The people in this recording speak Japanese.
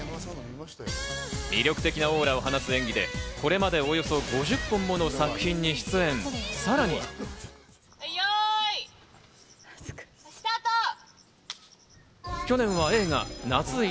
魅力的なオーラを放つ演技でこれまでおよそ５０本ものはい！